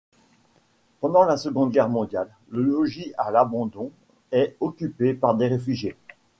Pendant la Seconde Guerre mondiale, le logis, à l'abandon, est occupé par des réfugiés.